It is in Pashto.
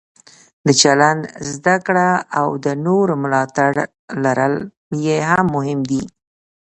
د چلند زده کړه او د نورو ملاتړ لرل یې مهم دي.